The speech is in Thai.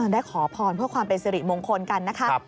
ขอพรเพื่อความเป็นสิริมงคลกันนะคะ